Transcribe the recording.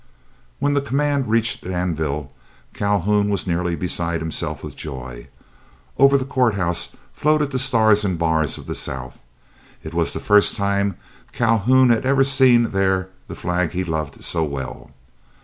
When the command reached Danville, Calhoun was nearly beside himself with joy. Over the courthouse floated the Stars and Bars of the South. It was the first time Calhoun had ever seen there the flag he loved so well.